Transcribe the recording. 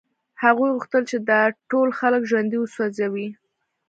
هغوی غوښتل چې دا ټول خلک ژوندي وسوځوي